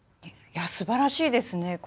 すばらしいですね。